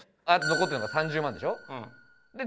あと残ってるのが３０万でしょ？